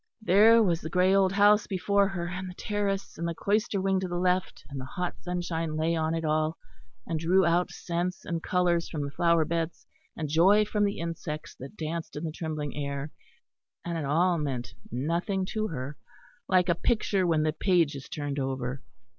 There was the grey old house before her, and the terrace, and the cloister wing to the left, and the hot sunshine lay on it all, and drew out scents and colours from the flower beds, and joy from the insects that danced in the trembling air; and it all meant nothing to her; like a picture when the page is turned over it.